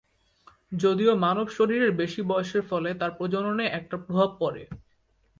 যদিও মানব শরীরের বেশি বয়সের ফলে তার প্রজননে একটা প্রভাব পরে।